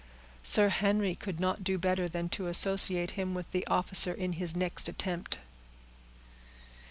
Sir Henry could not do better than to associate him with the officer in his next attempt.